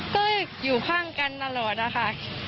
ก็อยู่ข้างกันตลอดนะคะ